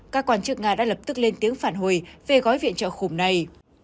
các quan chức nga đã lập tức lên tiếng phản hồi về gói viện trợ khủng này